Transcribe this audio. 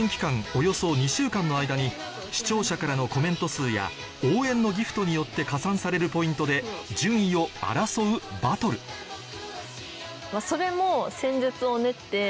およそ２週間の間に視聴者からのコメント数や応援のギフトによって加算されるポイントで順位を争うバトルそれも。